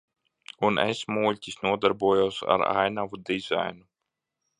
Un es, muļķis, nodarbojos ar ainavu dizainu.